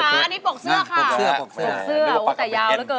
ปลกเสื้อปลกเสื้อแต่ยาวแล้วเกิน